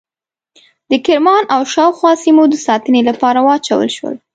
د کرمان او شاوخوا سیمو د ساتنې لپاره واچول شول.